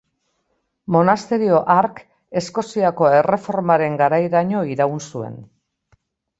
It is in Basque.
Monasterio hark Eskoziako Erreformaren garairaino iraun zuen.